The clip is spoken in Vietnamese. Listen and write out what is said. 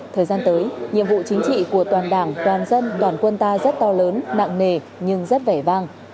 thời gian tới nhiệm vụ chính trị của toàn đảng toàn dân toàn quân ta rất to lớn nặng nề nhưng rất vẻ vang